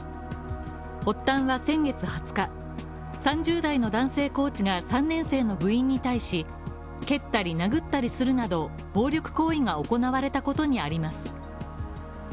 発端は先月２０日３０代の男性コーチが３年生の部員に対し蹴ったり殴ったりするなど、暴力行為が行われたことにあります。